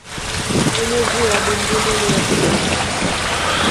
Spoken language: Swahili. Wenyeji wa Bumbuli ni wakulima.